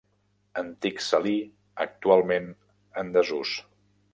Antic salí, actualment en desús.